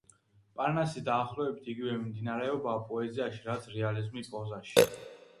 პარნასი დაახლოებით იგივე მიმდინარეობაა პოეზიაში, რაც რეალიზმი პროზაში.